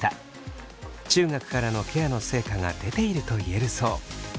中学からのケアの成果が出ていると言えるそう。